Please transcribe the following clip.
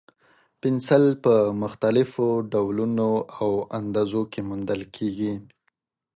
پنسل په مختلفو ډولونو او اندازو کې موندل کېږي.